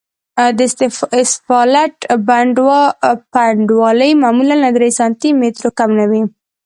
د اسفالټ پنډوالی معمولاً له درې سانتي مترو کم نه وي